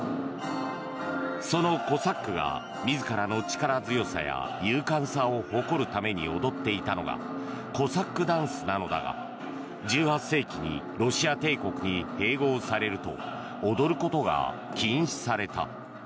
そのコサックが自らの力強さや勇敢さを誇るために踊っていたのがコサックダンスなのだが１８世紀にロシア帝国に併合されると踊ることが禁止された。